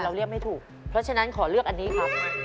เรียกไม่ถูกเพราะฉะนั้นขอเลือกอันนี้ครับ